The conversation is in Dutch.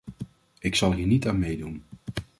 Ik zal hier niet aan meedoen.